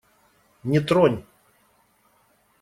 Не тронь!